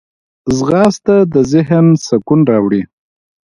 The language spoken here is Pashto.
ځغاسته د ذهن سکون راوړي